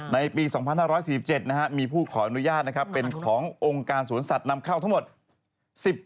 ในปี๒๕๔๗มีผู้ขออนุญาตนะครับเป็นขององค์การสวนสัตว์นำเข้าทั้งหมด